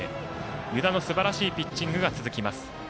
湯田のすばらしいピッチングが続きます。